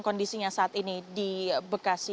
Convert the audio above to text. kondisinya saat ini di bekasi